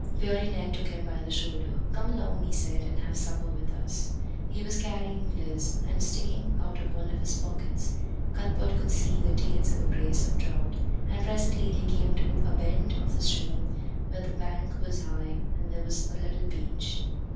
Beardy Ned took him by the shoulder. "Come along," he said, "and have supper with us." He was carrying Liz, and sticking out of one of his pockets Cuthbert could see the tails of a brace of trout; and presently they came to a bend of the stream, where the bank was high and there was a little beach.